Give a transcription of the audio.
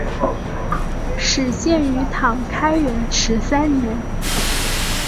始建于唐开元十三年。